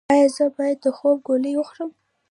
ایا زه باید د خوب ګولۍ وخورم؟